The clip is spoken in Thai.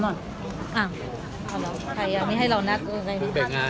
อ้ารับเอา